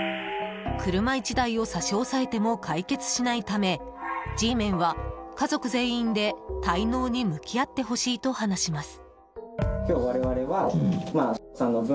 車１台を差し押さえても解決しないためＧメンは、家族全員で滞納に向き合ってほしいと話します。